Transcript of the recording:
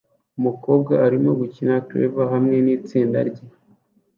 Umukobwa arimo gukina clavier hamwe nitsinda rye